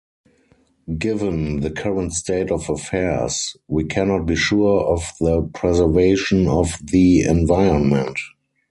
Given the current state of affairs, we cannot be sure of the preservation of the environment.